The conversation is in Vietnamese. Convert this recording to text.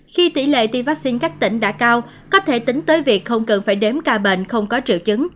khi tỷ lệ tiêm vaccine các tỉnh đã cao có thể tính tới việc không cần phải đếm ca bệnh không có triệu chứng